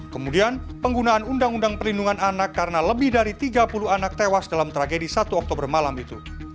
kemudian penggunaan undang undang perlindungan anak karena lebih dari tiga puluh anak tewas dalam tragedi satu oktober malam itu